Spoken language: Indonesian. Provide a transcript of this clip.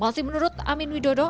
masih menurut amin widodo